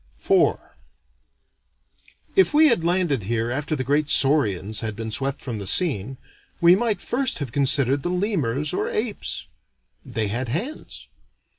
IV If we had landed here after the great saurians had been swept from the scene, we might first have considered the lemurs or apes. They had hands.